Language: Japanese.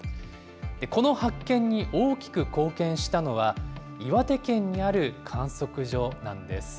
この発見に大きく貢献したのは、岩手県にある観測所なんです。